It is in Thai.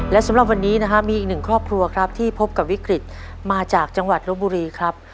และสำหรับวันนี้นะครับมีอีกหนึ่งครอบครัวครับที่พบกับวิกฤตมาจากจังหวัดรบบุรีครับ